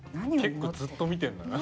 結構ずっと見てるんだな。